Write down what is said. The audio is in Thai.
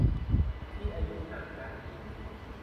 ที่อายุห่างกันถึง